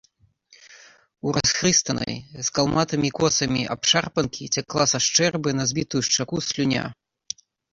У расхрыстанай, з калматымі косамі абшарпанкі цякла са шчэрбы на збітую шчаку слюня.